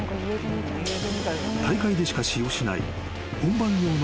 ［大会でしか使用しない本番用の］